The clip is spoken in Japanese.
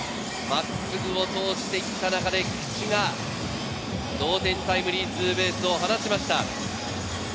真っすぐを投じていった中で、菊池が同点タイムリーツーベースを放ちました。